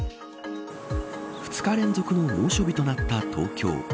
２日連続の猛暑日となった東京。